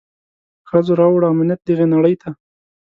ښځو راووړ امنيت دغي نړۍ ته.